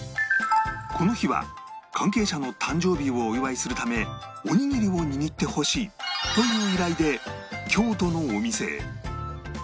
この日は関係者の誕生日をお祝いするためおにぎりを握ってほしいという依頼で京都のお店へ